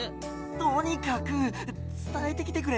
とにかくつたえてきてくれ。